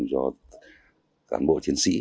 cho cán bộ chiến sĩ